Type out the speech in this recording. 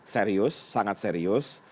serius sangat serius